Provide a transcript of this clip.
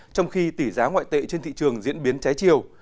trong khi tỷ giá ngoại tệ trên thị trường diễn biến trái chiều